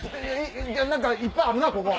何かいっぱいあるなここ。